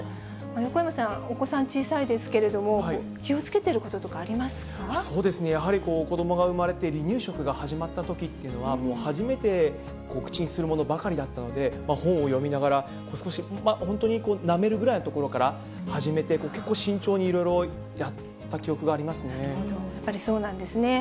横山さん、お子さん小さいですけれども、そうですね、やはり子どもが生まれて、離乳食が始まったときっていうのは、初めて口にするものばかりだったので、本を読みながら、少し、本当になめるぐらいのところから初めて、結構慎重にいろいろやっやっぱりそうなんですね。